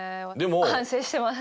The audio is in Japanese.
反省してます。